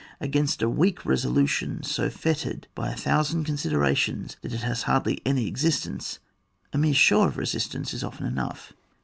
Against a weak resolution so fettered by a thousand considerations, that it has hardly any existence, a mere show of resistance is often enough.